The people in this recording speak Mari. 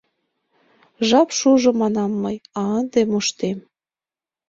Жап шужо — манам мый: «А ынде моштем!»